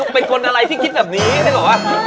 เป็นคนอะไรที่คิดแบบนี้ใช่หรอวะ